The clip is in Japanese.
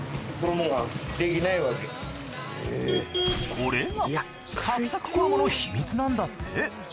これがサクサク衣の秘密なんだって。